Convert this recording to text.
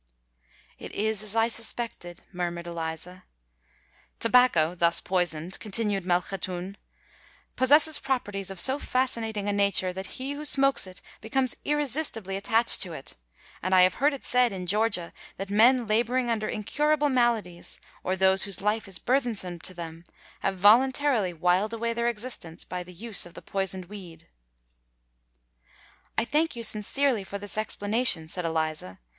"It is as I suspected," murmured Eliza. "Tobacco thus poisoned," continued Malkhatoun, "possesses properties of so fascinating a nature, that he who smokes it becomes irresistibly attached to it; and I have heard it said in Georgia, that men labouring under incurable maladies, or those whose life is burthensome to them, have voluntarily whiled away their existence by the use of the poisoned weed." "I thank you sincerely for this explanation," said Eliza.